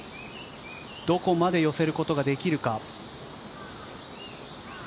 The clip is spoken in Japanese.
どこまで寄せることができるか。